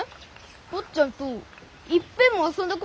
坊ちゃんといっぺんも遊んだことないよ。